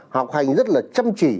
học hành rất là chăm chỉ